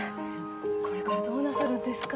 これからどうなさるんですか？